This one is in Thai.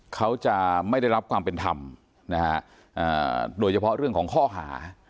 เขาจะไม่ได้รับความเป็นธรรมนะฮะโดยเฉพาะเรื่องของข้อหา